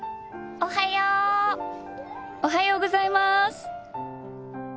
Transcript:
おはようございます。